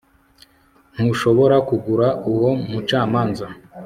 ntushobora kugura uwo mucamanza